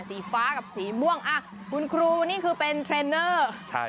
สีฟ้ากับสีม่วงอ่ะคุณครูนี่คือเป็นเทรนเนอร์